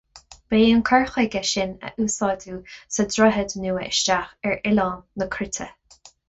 Ba é an cur chuige sin a úsáideadh sa droichead nua isteach ar oileán na Cruite.